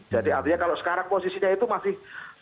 jadi artinya kalau sekarang posisinya itu masih lima puluh lima puluh